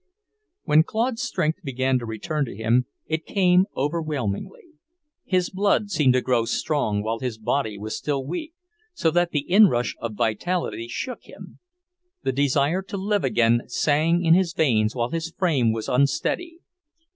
When Claude's strength began to return to him, it came overwhelmingly. His blood seemed to grow strong while his body was still weak, so that the in rush of vitality shook him. The desire to live again sang in his veins while his frame was unsteady.